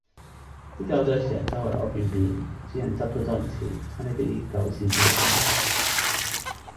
啲狗仔成日周圍痾便便，主人執都執唔切，差啲比狗屎跣親